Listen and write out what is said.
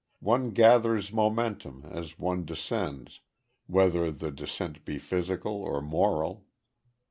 One gathers momentum, as one descends, whether the descent be physical, or moral.